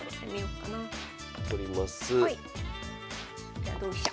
じゃあ同飛車。